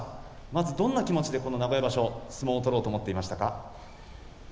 まず、どんな気持ちでこの名古屋場所を相撲を取ろうと思っていましたか？